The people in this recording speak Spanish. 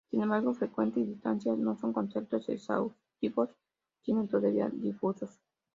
Sin embargo, frecuencia y distancia no son conceptos exhaustivos, siendo todavía difusos.